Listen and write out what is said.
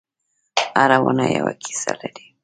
هره ونه یوه کیسه لري.